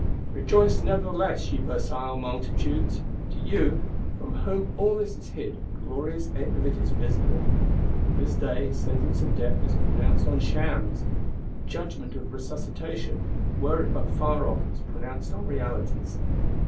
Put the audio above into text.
Rejoice nevertheless, ye Versailles multitudes; to you, from whom all this is hid, and glorious end of it is visible. This day, sentence of death is pronounced on Shams; judgment of resuscitation, were it but far off, is pronounced on Realities.